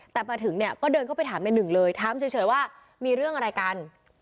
แต่มาถึงเนี่ยก็เดินเข้าไปถามในหนึ่งเลยถามเฉยว่ามีเรื่องอะไรกัน